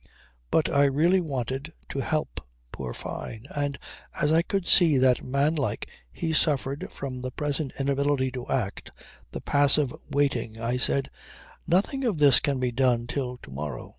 But I really wanted to help poor Fyne; and as I could see that, manlike, he suffered from the present inability to act, the passive waiting, I said: "Nothing of this can be done till to morrow.